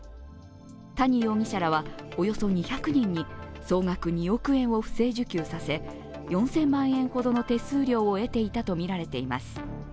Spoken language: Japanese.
谷容疑者らはおよそ２００人に総額２億円を不正受給させ４０００万円ほどの手数料を得ていたとみられています。